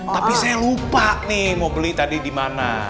tapi saya lupa nih mau beli tadi dimana